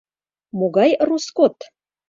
— Могай роскот?